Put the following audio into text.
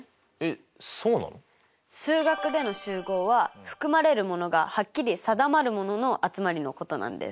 数学での集合は含まれるものがはっきり定まるものの集まりのことなんです。